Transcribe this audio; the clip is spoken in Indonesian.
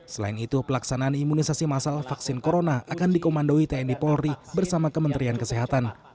selain itu pelaksanaan imunisasi masal vaksin corona akan dikomandoi tni polri bersama kementerian kesehatan